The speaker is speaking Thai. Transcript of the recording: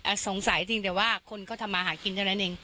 อ่าสงสัยครึ่งแต่ว่าคนเขาก็ทำมาหากินเท่านั้นเอง